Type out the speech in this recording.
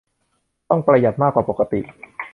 ต้องประหยัดมากกว่าปกติ